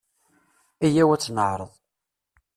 Ayaw ad tt-neƐreḍ.